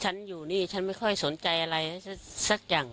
ฉันอยู่นี่ฉันไม่ค่อยสนใจอะไรสักอย่าง